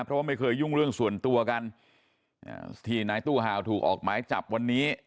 เพราะว่าไม่เคยยุ่งเรื่องส่วนตัวกันที่นายตู้ห่าวถูกออกหมายจับวันนี้